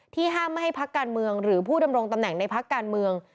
ห้ามไม่ให้พักการเมืองหรือผู้ดำรงตำแหน่งในพักการเมือง